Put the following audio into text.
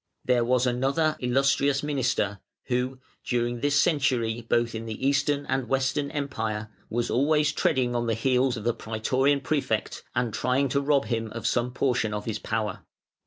There was another "Illustrious" minister, who, during this century both in the Eastern and Western Empire, was always treading on the heels of the Prætorian Prefect, and trying to rob him of some portion of his power.